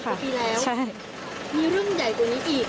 มีเรื่องใหญ่เกินอีก